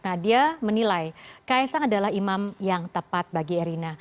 nadia menilai kaisang adalah imam yang tepat bagi erina